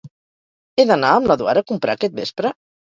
He d'anar amb l'Eduard a comprar aquest vespre?